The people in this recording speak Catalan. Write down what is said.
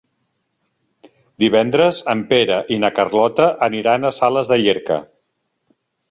Divendres en Pere i na Carlota aniran a Sales de Llierca.